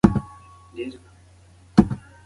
د غولکې ربړ د وارث په لاسونو کې تر اخره کش شو.